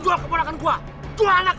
gimana keponakan gua sya allah